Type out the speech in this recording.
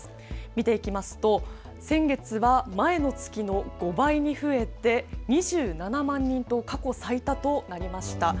見ていきますと先月は前の月の５倍に増えて２７万人と過去最多となりました。